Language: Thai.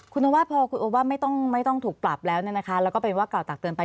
คุณโอวาสพอคุณโอวาสไม่ต้องถูกปรับแล้วแล้วก็เป็นว่ากล่าตักเตือนไป